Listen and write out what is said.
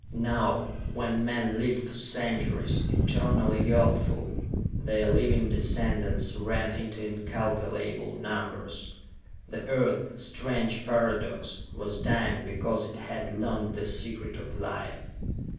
Now, when men lived for centuries, eternally youthful, their living descendants ran into incalculable numbers._ _The earth strange paradox was dying because it had learned the Secret of Life.